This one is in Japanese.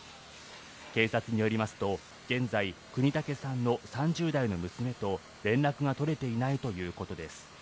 警察によりますと現在、國武さんの３０代の娘と連絡が取れていないということです。